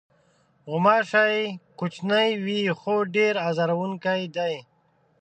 غوماشې کوچنۍ وي، خو ډېرې آزاروونکې دي.